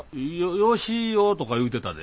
ヨシヲとか言うてたで。